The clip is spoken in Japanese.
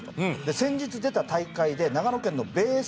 先日出た大会で長野県のベース